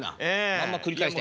まんま繰り返したよ。